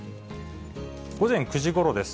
午前９時ごろです。